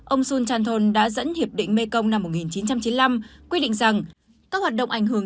ông sul chanton đã dẫn hiệp định mekong năm một nghìn chín trăm chín mươi năm quy định rằng các hoạt động ảnh hưởng